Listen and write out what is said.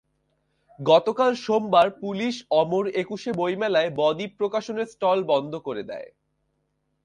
গতকাল সোমবার পুলিশ অমর একুশে বইমেলায় ব-দ্বীপ প্রকাশনের স্টল বন্ধ করে দেয়।